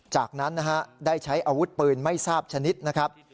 จากนั้นนะฮะได้ใช้อาวุธปืนไม่ทราบชนิดนะครับ